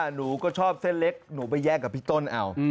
หนูก็ชอบเส้นเล็กหนูไปแย่งกับพี่ต้นเอา